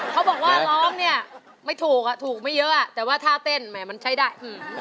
เขาบอกว่าร้องเนี้ยมันถูกไม่เยอะแต่ต้าเต้นมันใช้ได้